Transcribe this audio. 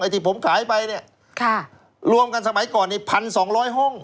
ไอ้ที่ผมขายไปนี่รวมกันสมัยก่อนนี่พันสองร้อยห้อง